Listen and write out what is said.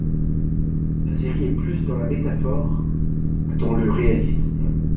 La série est plus dans la métaphore que dans le réalisme.